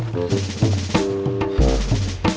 jangan gitu pak haji